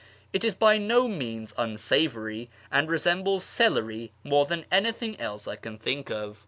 It is by no means unsavoury, and resembles celery more than anything else I can think of.